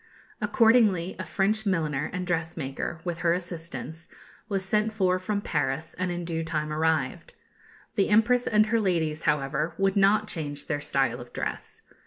Accordingly a French milliner and dressmaker, with her assistants, was sent for from Paris, and in due time arrived. The Empress and her ladies, however, would not change their style of dress.